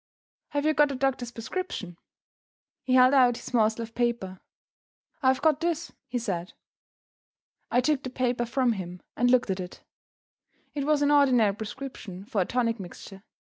"Have you got a doctor's prescription?" He held out his morsel of paper. "I have got this," he said. I took the paper from him, and looked at it. It was an ordinary prescription for a tonic mixture.